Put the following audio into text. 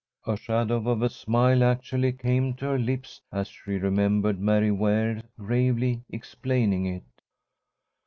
A shadow of a smile actually came to her lips as she remembered Mary Ware gravely explaining it.